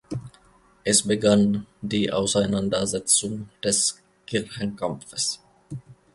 Es begann die Auseinandersetzung des Kirchenkampfes.